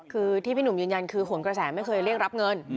คือที่พี่หนุ่มยืนยันคือหนกระแสไม่เคยเรียกรับเงิน